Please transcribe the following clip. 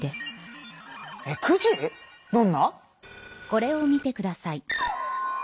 これを見てください。